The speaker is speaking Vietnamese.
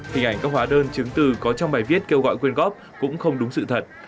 hình ảnh các hóa đơn chứng từ có trong bài viết kêu gọi quyên góp cũng không đúng sự thật